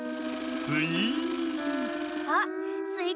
すい。